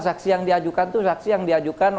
saksi yang diajukan itu saksi yang diajukan